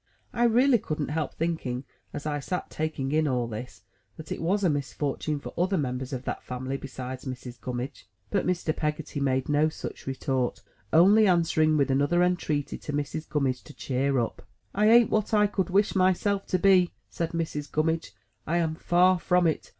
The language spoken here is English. I really couldn't help thinking as I sat taking in all this, that it was a misfortune for other members of that family be sides Mrs. Gummidge. But Mr. Peggotty made no such retort, only answering with another entreaty to Mrs. Gimimidge to cheer up. "I an't what I could wish myself to be," said Mrs. Gum midge. "I am far from it.